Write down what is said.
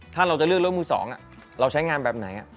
ถ้าเราจะเลือกเรื่องมือสองเราใช้งานแบบไหน